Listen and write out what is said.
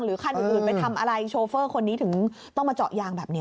คันอื่นไปทำอะไรโชเฟอร์คนนี้ถึงต้องมาเจาะยางแบบนี้